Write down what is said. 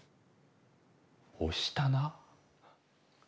押したな？